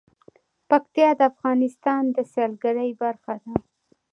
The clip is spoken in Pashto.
پکتیا د افغانستان د سیلګرۍ برخه ده.